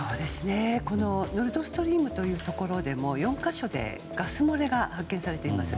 ノルドストリームというところでも４か所でガス漏れが発見されています。